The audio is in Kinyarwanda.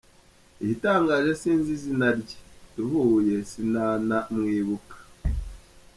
Igitangaje sinzi izina rye duhuye sinana mwibuka.